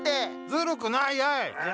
ずるくないやい！